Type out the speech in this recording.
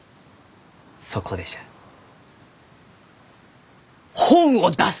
そこでじゃ本を出す！